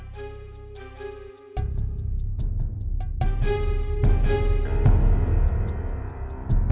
berada tadi yangentlya disuruh malam